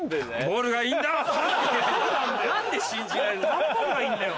段ボールがいいんだよ。